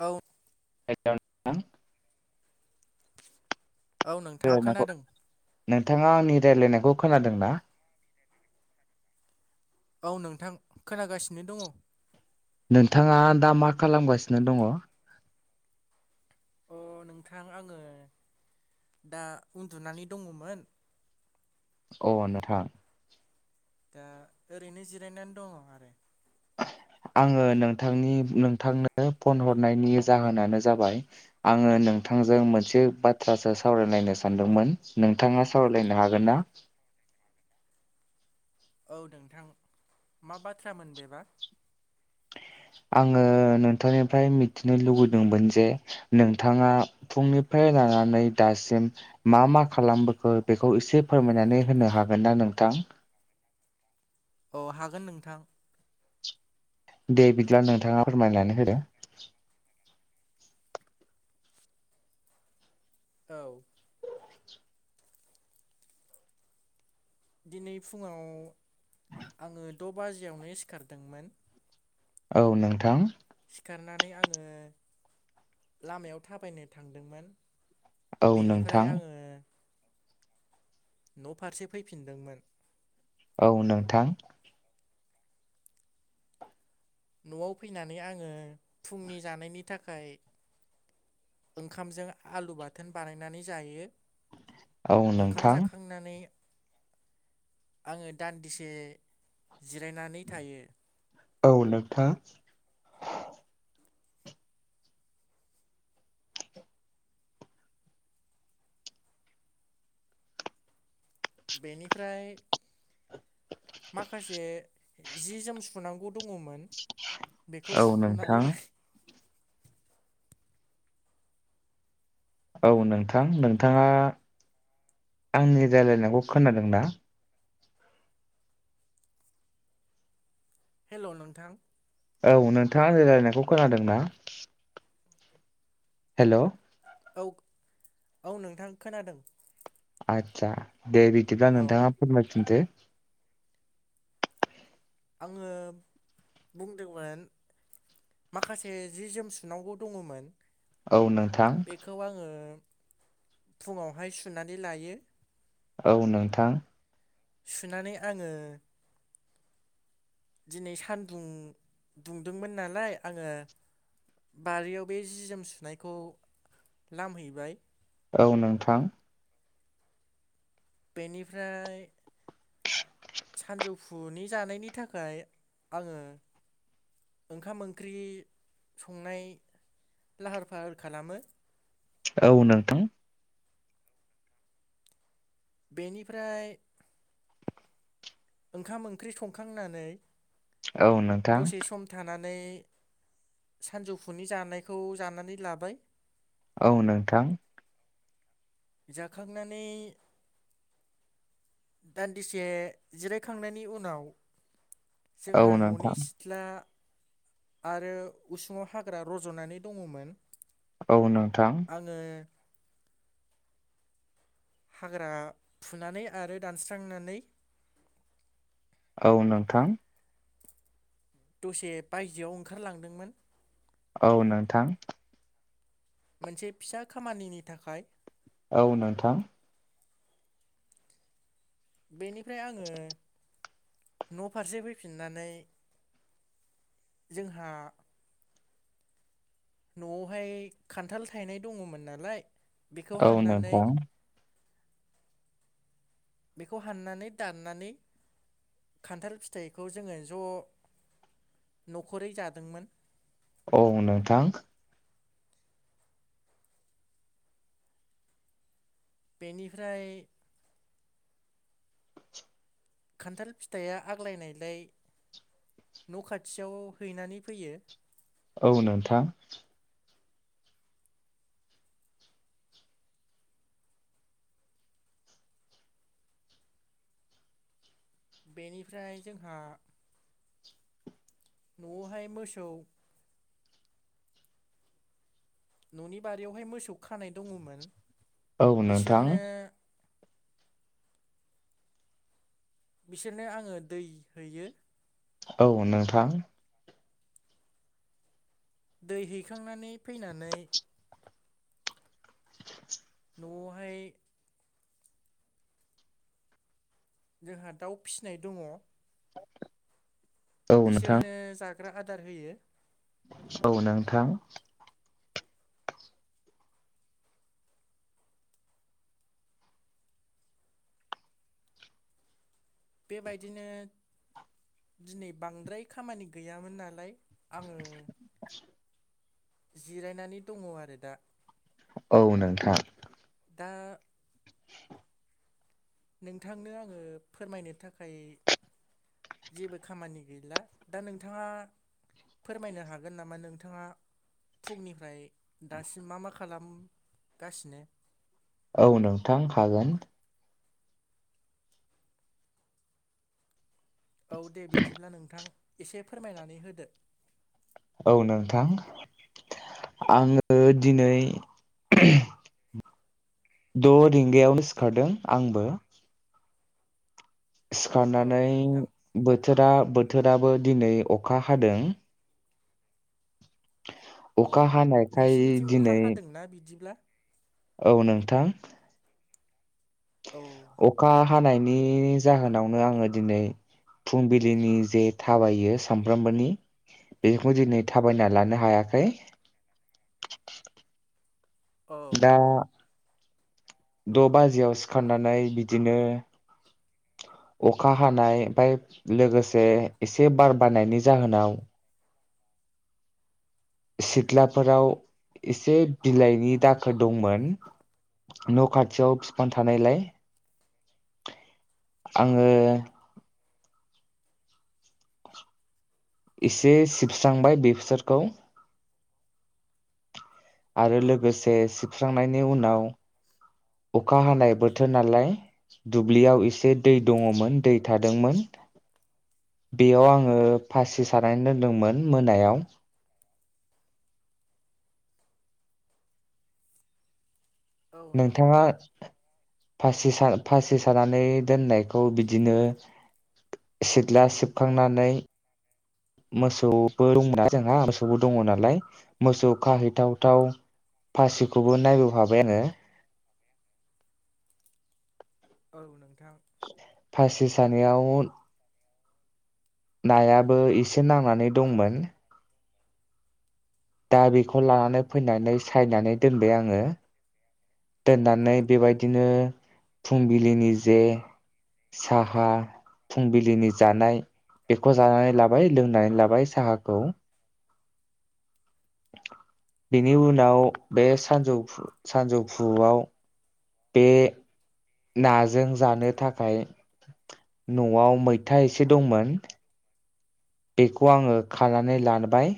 औ [unintelligible] औ नोंथां रायलायनायखौ खोनादों नोंथाङा आंनि रायलायनायखौ खोनादों ना औ नोंथां खोनागासिनो दङ नोंथाङा दा मा खालामगासिनो दङ अ नोंथां आङो दा उन्दुनानै दङमोन अ नोथां दा ओरैनो जिरायनानै दङ आरो आङो नोंथांनि नोंथांनो फन हरनायनि जाहोनानो जाबाय आङो नोंथांजों मोनसे बाथ्रासो सावरायलायनो सानदोंमोन नोंथाङा सावरायलायनो हागोन ना? औ नोंथां मा बाथ्रामोन बेबा आङो नोंथांनिफ्राय मिथिनो लुबैदोंमोन जे नोंथाङा फुंनिफ्राय लानानै दासिम मा - मा खालामबोखो बेखौ एसे फोरमायनानै होनो हागोन ना नोंथां औ हागोन नोंथां दे बिदिब्ला नोंथाङा फोरमायनानै होदो औ दिनै फुङाव आङो द' बाजियावनो सिखारदोंमोन औ नोंथां सिखारनानै आङो लामायाव थाबायनो थांदोंमोन औ बेनिफ्राय नोंथां आङो न' फारसे फैफिनदोंमोन औ नोंथां न'आव फैनानै आङो फुंनि जानायनि थाखाय ओंखामजों आलु बाथोन बानायनानै जायो औ ओंखाम नोंथां जाखांनानै आङो दान्दिसे जिरायनानै थायो औ नोंथां बेनिफ्राय माखासे जि जोम सुनांगौ दङमोन बेखौ औ सुनानै नोंथां लायो औ नोंथां नोंथाङा आंनि रायज्लायनायखौ खोनादों ना हेल' नोंथां औ नोंथाङा रयलायनायखौ खोनादों ना हेल' औ-औ नोंथां खोनादों आतसा दे बिदिब्ला औ नोंथाङा फोरमाय फिनदो आङो बुंदोंमोन माखासे जि जोम सुनांगौ दङमोन औ नोंथां बेखौ आङो फुङावहाय सुनानै लायो औ नोंथां। सुनानै आङो। दिनै सानदुं दुंदोंमोन नालाय आङो बारियाव बे जि जोम सुनायखौ लामहैबाय। औ नोंथां। बेनिफ्राय। सानजौफुनि जानायनि थाखाय आङो ओंखाम ओंख्रि संनाय लाहार फाहार खालामो। औ नोंथां। बेनिफ्राय ओंखाम ओंख्रि संखांनानै औ नोंथां नै सानजौफुनि जानायखौ जानानै लाबाय। औ नोंथां। जाखांनानै दान्दिसे जिरायखांनायनि उनाव औ जोंहा नोंथां ननि सिथ्ला आरो उसुङाव हाग्रा रजनानै दङमोन। औ नोंथां। आङो हाग्रा फुनानै आरो दानस्रांनानै। औ नोंथां। दसे बायजोआव ओंखारलांदोंमोन। औ नोंथां। मोनसे फिसा खामानिनि थाखाय औ नोंथां। बेनिफ्राय आङो न फारसे फैफिननानै जोंहा न'आवहाय खान्थाल थायनाय दङमोन नालाय बेखौ औ हाननानै नोंथां बेखौ हाननानै दाननानै खान्थाल फिथाइखौ जोङो ज नखरै जादोंमोन। औ नोंथां। बेनिफ्राय खान्थाल फिथाइया आग्लायनायलाय न खाथियाव हैनानै फैयो। औ नोंथां। बेनिफ्राय जोंहा नआवहाय मोसौ ननि बारियावहाय मोसौ खानाय दङमोन। औ नोंथां। बिसोरनो बिसोरनो आङो दै हैयो। औ नोंथां। दै हैखांनानै फैनानै [inaudible] न'आवहाय जोंहा दाउ फिसिनाय दङ। [inaudible] नोंथां बिसोरनो जा ग्रा आदार होयो। औ नोंथां। बेबायदिनो दिनै बांद्राय खामानि गैयामोन नालाय आङो जिरायनानै दङ आरो दा। औ नोंथां। दा नोंथांनो आङो फोरमायनो थाखाय जेबो खामानि गैला दा नोंथाङा फोरमायनो हागोन नामा नोंथाङा फुंनिफ्राय दासिम मा मा खालामगासिनो। औ नोंथां हागोन। औ दे बिदिब्ला नोंथां एसे फोरमायनानै होदो। औ नोंथां आङो दिनै द' रिंगायावनो सिखारदों आंबो औ सिखारनानै नोंथां बोथोरा बोथोर बोथोराबो दिनै अखा हादों। अ अखा हानायखाय नोंसोरनिथिं दिनै अखा हादोंना बिदिब्ला औ नोंथां औ अखा हनायनि जाहोनावनो आङो दिनै फुंबिलिनि जे थाबायो सामफ्रामबोनि बेखौ दिनै थाबायनानै लानो हायाखै। औ दा द' बाजियाव सिखारनानै बिदिनो अखा हानाय ओमफ्राय लोगोसे एसे बार बारनायनि जाहोनाव। सिख्लाफोराव एसे बिलाइनि दाखोर दंमोन न' खाथियाव बिफां थानायलाय आङो एसे सिबस्रांबाय बेसोरखौ आरो लोगोसे सिबस्रांनायनि उनाव अखा हानाय बोथोर नालाय दुब्लियाव एसे दै दङमोन दै थादोंमोन बेयाव आङो फासि सानानै दोनदोंमोन मोनायाव औ नोंथां नोंथाङा फासि फासि सानानै दोननायखौ बिदिनो सिथ्ला सिबखांनानै मोसौबो दंना जोंहा मोसौबो दङ नालाय मोसौ खाहैथाव थाव फासिखौबो नायबो हाफाय आङो। औ नं फासिस दानियाव नायाबो एसे नांनानै दंमोन। दा बेखौ लानानै फैनानै सायनानै दोनबाय आङो दोननानै बेबायदिनो फुंबिलिनि जे साहा फुंबिलिनि जानाय बेखौ जानानै लाबाय लोंनानै लाबाय साहाखौ बेनि उनाव बे सानजौफु सानजौफुआव बे नाजों जानो थाखाय न'आव मैथा एसे दंमोन। बेखौ आङो खानानै लानबाय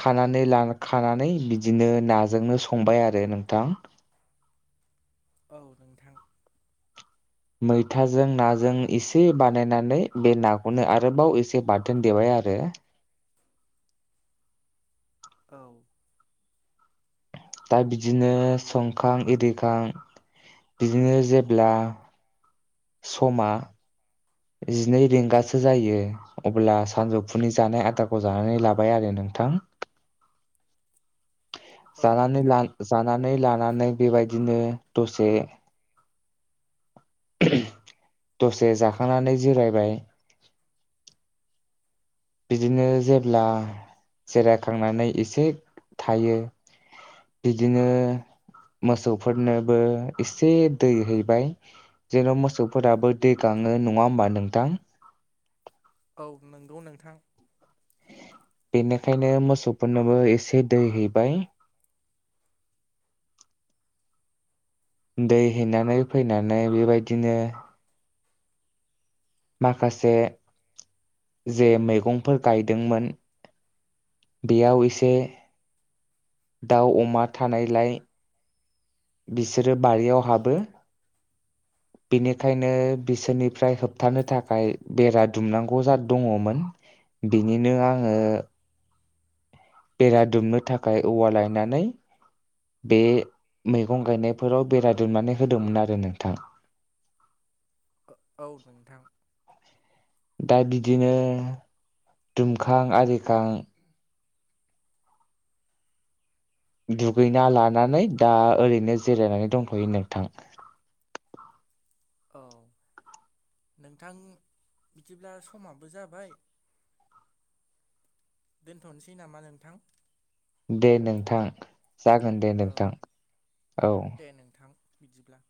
खानानै खानानै बिदिनो नाजोंनो संबाय आरो नोंथां। औ नोंथां मैथाजों नाजों एसे बानायनानै बे नाखौनो आरोबाव एसे बाथोन देबाय आरो औ दा बिदिनो संखां इरिखां बिदिनो जेब्ला समा जिनै रिंगासो जायो अब्ला सानजौफुनि जानाय आदारखौ जानानै लाबाय आरो नोंथां औ जाना नोंथां जानानानै लानानै बेबायदिनो दसे दसे जाखांनानै जिरायबाय। बिदिनो जेब्ला जिराय खांनानै एसे थायो बिदिनो मोसौफोरनोबो एसे दै हैबाय जेन' मोसौफोराबो दै गाङो नङा होमबा नोंथां? औ नंगौ नोंथां बेनिखायनो मोसौफोरनोबो एसे दै हैबाय दै हैनानै फैनानै बेबायदिनो माखासे जे मैगंफोर गायदोंमोन बेयाव एसे दाउ अमा थानायलाय बिसोरो बारियाव हाबो [inaudible] बेनिखायनो बिसोरनिफ्राय होबथानो थाखाय बेरा दुमनांगौ जा दङ'मोन बिनिनो आङो बेरा दुमनो थाखाय औवा लायनानै बे मैगं गायनायफोराव बेरा दुमनानै होदोंमोन आरो नोंथां औ नोंथां दा बिदिनो दुमखां आरिखां दुगैना लानानै दा ओरैनो जिरायनानै दंथ'यो नोंथां औ नोंथां बिदिब्ला समाबो जाबाय दोनथ'नोसै नामा नोंथां? दे नोंथां जागोन दे औ नोंथां औ दे नोंथां बिदिब्ला